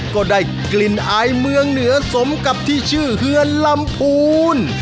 ก็ได้กลิ่นอายเมืองเหนือสมกับที่ชื่อเฮือนลำพูน